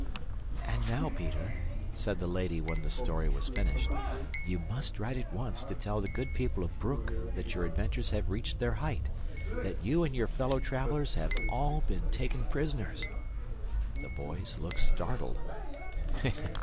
"And now, Peter," said the lady when the story was finished, "you must write at once to tell the good people of Broek that your adventures have reached their height, that you and your fellow travelers have all been taken prisoners." The boys looked startled.